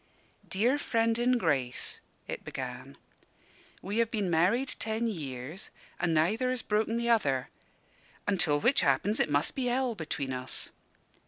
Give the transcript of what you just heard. "Dear Friend in Grace," it began, "we have been married ten years, and neither has broken the other; until which happens, it must be hell between us.